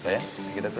sayang kita ke